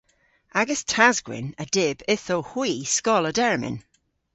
Agas tas-gwynn a dyb yth owgh hwi skoll a dermyn.